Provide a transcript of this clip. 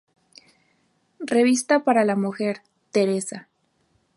Revista para la mujer"; "Teresa.